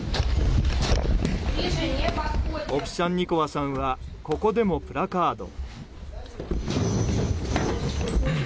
オフシャンニコワさんはここでもプラカード。